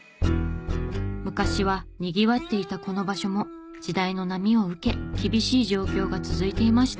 昔はにぎわっていたこの場所も時代の波を受け厳しい状況が続いていました。